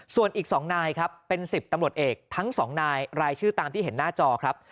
ส่วนอีก๒นายครับเป็น๑๐ตำรวจเอกทั้ง๒นายรายชื่อตามที่เห็นหน้าจอครับ